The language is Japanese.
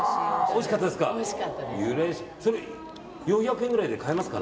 おいしかったですか。